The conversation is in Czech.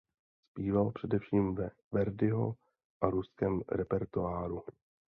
Zpíval především ve Verdiho a ruském repertoáru.